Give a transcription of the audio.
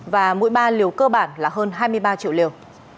và mỗi ba liều cơ bản là hơn hai mươi ba triệu liều